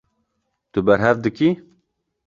Tu berhev dikî.